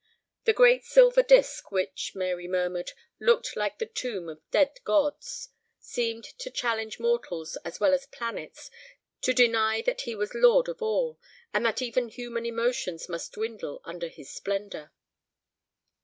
The great silver disk, which, Mary murmured, looked like the tomb of dead gods, seemed to challenge mortals as well as planets to deny that he was lord of all, and that even human emotions must dwindle under his splendor.